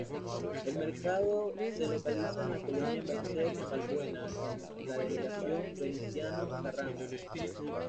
El Mercado se localiza en la Colonia Merced Balbuena, en la Delegación Venustiano Carranza.